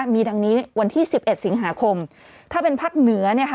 มีดังนี้วันที่๑๑สิงหาคมถ้าเป็นภาคเหนือ